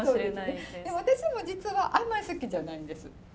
でも私も実はあんまり好きじゃないんです。